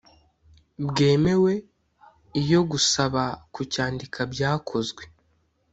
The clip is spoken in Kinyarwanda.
bwemewe iyo gusaba kucyandika byakozwe